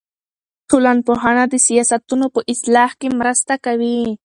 ټولنپوهنه د سیاستونو په اصلاح کې مرسته کوي.